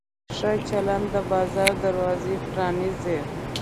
ښه چلند د بازار دروازه پرانیزي.